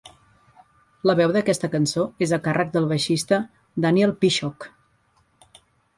La veu d'aquesta cançó és a càrrec del baixista Daniel Pishock.